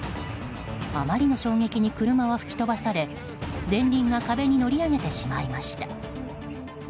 あまりの衝撃に車は吹き飛ばされ前輪が壁に乗り上げてしまいました。